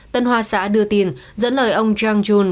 tân hoa xã đưa tin dẫn lời ông zhang jun